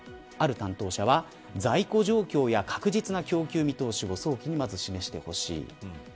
ある担当者は、在庫状況や確実な供給見通しを早期に示してほしい。